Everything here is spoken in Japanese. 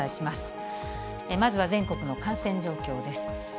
まずは全国の感染状況です。